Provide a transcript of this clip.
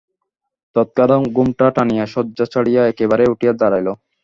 তৎক্ষণাৎ ঘোমটা টানিয়া শয্যা ছাড়িয়া একেবারে উঠিয়া দাঁড়াইল।